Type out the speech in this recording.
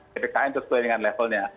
ppkn sesuai dengan levelnya